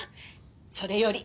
それより。